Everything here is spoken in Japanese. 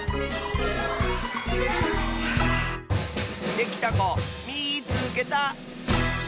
できたこみいつけた！